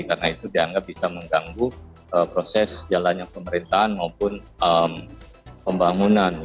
karena itu dianggap bisa mengganggu proses jalannya pemerintahan maupun pembangunan